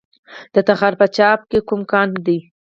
د تخار په چاه اب کې کوم کان دی؟